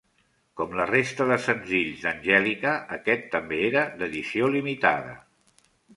Com la resta de senzills d'Angelica, aquest també era d'edició limitada.